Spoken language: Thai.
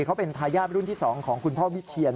เขาเป็นทายาทรุ่นที่๒ของคุณพ่อวิเชียน